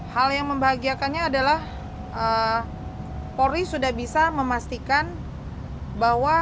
hal yang membahagiakannya adalah polri sudah bisa memastikan bahwa